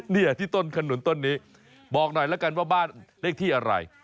เนี่ยที่ต้นขนุนต้นนี้บอกหน่อยแล้วกันว่าบ้านเลขที่อะไร